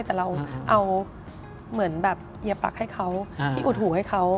แต่เราเอาเหมือนแบบเยียปรักให้เขาที่อุดหูให้เขา